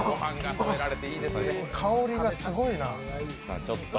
香りがすごいな。